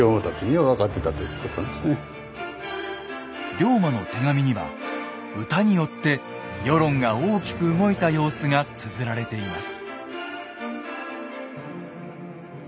龍馬の手紙には歌によって世論が大きく動いた様子がつづられています。